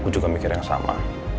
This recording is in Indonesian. juga mikir yang sama